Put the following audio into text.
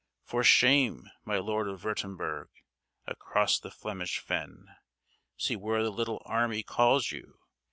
For shame, my Lord of Würtemberg! Across the Flemish Fen See where the little army calls you.